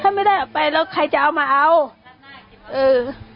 ถ้าไม่ได้เอาไปแล้วใครจะเอามาเอาเออ